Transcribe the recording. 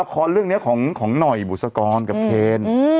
ละครเรื่องนี้ของหน่อยบุษกรกับเคน